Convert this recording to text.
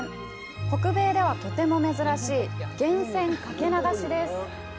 北米ではとても珍しい源泉かけ流しです。